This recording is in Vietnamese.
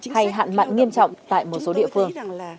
hay hạn mặn nghiêm trọng tại một số địa phương